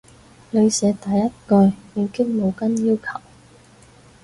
你寫第一句已經冇跟要求